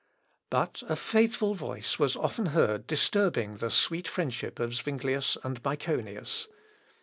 But a faithful voice was often heard disturbing the sweet friendship of Zuinglius and Myconius.